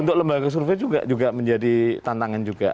untuk lembaga survei juga menjadi tantangan juga